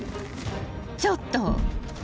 ［ちょっと！